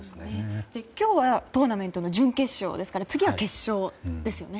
今日はトーナメントの準決勝ですから次が決勝ですよね。